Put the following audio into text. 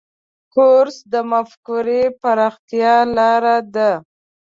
کورس د مفکورې پراختیا لاره ده.